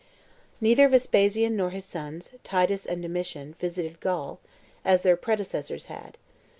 Neither Vespasian nor his sons, Titus and Domitian, visited Gaul, as their predecessors had.